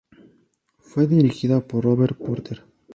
Fue dirigida por Robert Porter.